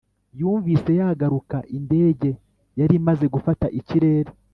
yumvise yaguruka indege yarimaze gufata ikirere.